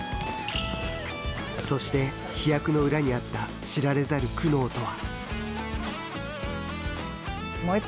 そして、飛躍の裏にあった知られざる苦悩とは。